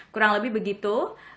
kurang lebih begitu